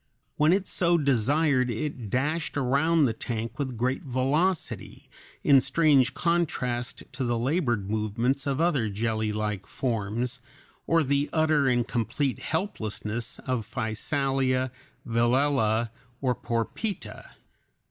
When it so desired it dashed around the tank with great velocity, in strange contrast to the labored movements of other jellylike forms, or the utter and complete helplessness of Physalia, Velella, or Porpita.